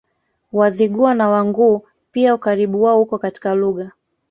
Wazigua na Wanguu pia Ukaribu wao uko katika lugha